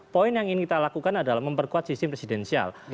poin yang ingin kita lakukan adalah memperkuat sistem presidensial